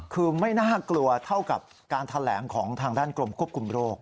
คือไม่น่ากลัวเท่ากับการแถลงของทางด้านกรมควบคุมโรค